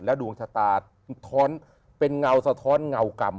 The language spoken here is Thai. ดวงชะตาท้อนเป็นเงาสะท้อนเงากรรม